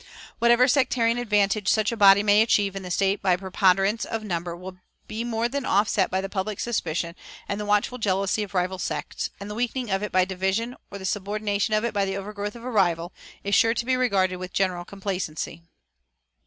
Whatever sectarian advantage such a body may achieve in the state by preponderance of number will be more than offset by the public suspicion and the watchful jealousy of rival sects; and the weakening of it by division, or the subordination of it by the overgrowth of a rival, is sure to be regarded with general complacency.